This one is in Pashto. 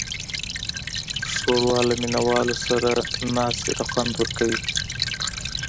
ښوروا له مینهوالو سره ناستې ته خوند ورکوي.